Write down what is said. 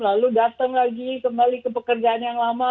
lalu datang lagi kembali ke pekerjaan yang lama